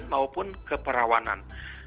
keperjakaan maupun keperawanan